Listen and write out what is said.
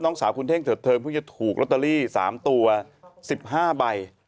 สาวคุณเท่งเถิดเทิงเพิ่งจะถูกลอตเตอรี่๓ตัว๑๕ใบ